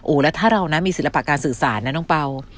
แล้วถ้าเรานะมีศิลปะการสื่อสารนะน้องเป่า